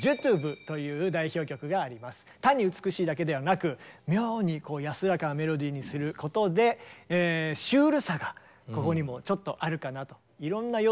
単に美しいだけではなく妙に安らかなメロディーにすることでシュールさがここにもちょっとあるかなと。